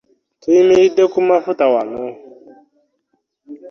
Tuyimiridde ku mafuta wano.